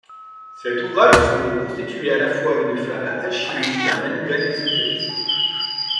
Cet ouvrage semble constituer à la fois une fable alchimique et un manuel d’ésotérisme.